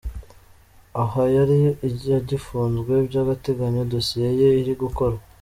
Aha yari agifunzwe by’agateganyo ‘dossier’ ye iri gukorwa.